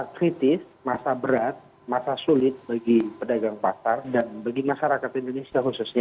ketua umum ikatan pedagang pasar indonesia abdullah mansuri